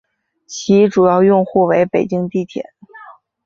其主要用户为北京地铁。